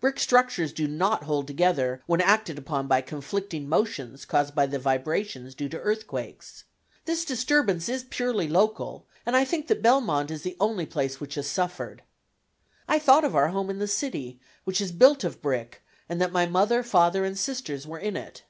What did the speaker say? "Brick structures do not hold together when acted upon by conflicting motions caused by the vibrations due to earthquakes. This disturbance is purely local, and I think that Belmont is the only place which has suffered." I thought of our home in the city, which is built of brick, and that my mother, father, and sisters were in it.